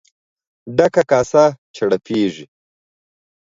ډکه کاسه چړپېږي.